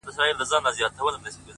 لاسو كې توري دي لاسو كي يې غمى نه دی’